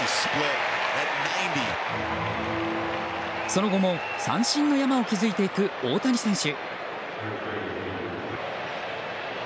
その後も三振の山を築いていく大谷選手。